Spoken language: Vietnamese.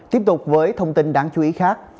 tiếp tục với thông tin đáng chú ý khác